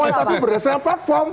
politik kualitatif berdasarkan platform